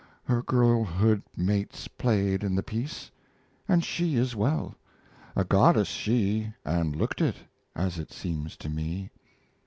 Her girlhood mates played in the piece, And she as well: a goddess, she, And looked it, as it seemed to me.